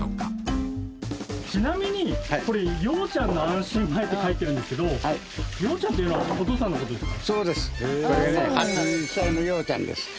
ちなみにこれ「洋ちゃんの安心米」って書いてあるんですけど「洋ちゃん」っていうのはお父さんの事ですか？